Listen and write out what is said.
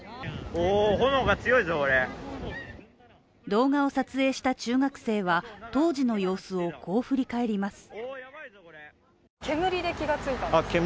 動画を撮影した中学生は当時の様子をこう振り返ります。